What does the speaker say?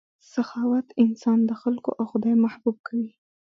سخاوت انسان د خلکو او خدای محبوب کوي.